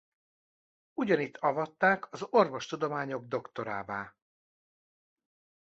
Ugyanitt avatták az orvostudományok doktorává.